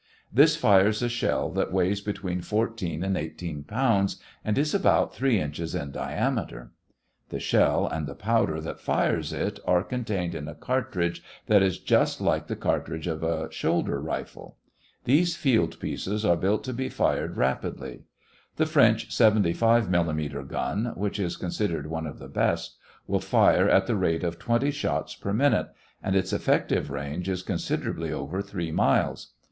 This fires a shell that weighs between fourteen and eighteen pounds and is about three inches in diameter. The shell and the powder that fires it are contained in a cartridge that is just like the cartridge of a shoulder rifle. These field pieces are built to be fired rapidly. The French 75 millimeter gun, which is considered one of the best, will fire at the rate of twenty shots per minute, and its effective range is considerably over three miles.